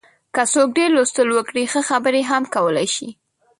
که څوک ډېر لوستل وکړي، ښه خبرې هم کولای شي.